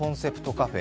カフェ